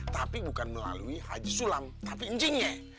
tapi bukan melalui haji sulam tapi anjingnya